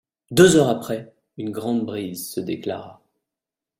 Deux heures après, une grande brise se déclara.